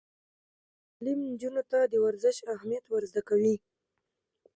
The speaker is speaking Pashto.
تعلیم نجونو ته د ورزش اهمیت ور زده کوي.